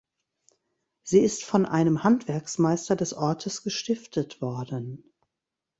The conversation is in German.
Sie ist von einem Handwerksmeister des Ortes gestiftet worden.